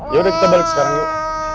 yaudah kita balik sekarang yuk